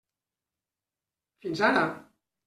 Fins ara.